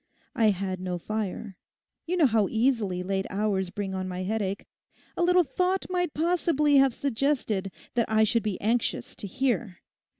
I had no fire. You know how easily late hours bring on my headaches; a little thought might possibly have suggested that I should be anxious to hear.